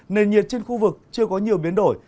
nền nhiệt trên khu vực chưa có nhiều biến đổi